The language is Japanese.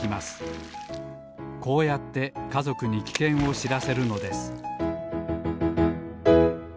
こうやってかぞくにきけんをしらせるのです